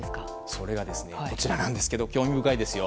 それが、こちらなんですが興味深いですよ。